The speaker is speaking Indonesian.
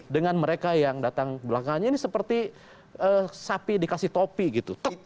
dengan mereka yang datang belakangnya ini seperti sapi dikasih topi gitu